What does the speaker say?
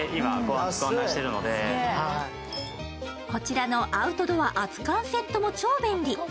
こちらのアウトドア熱燗セットも超便利。